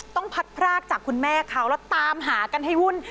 ต้องพัดพรากจากคุณแม่เขาแล้วตามหากันให้วุ่น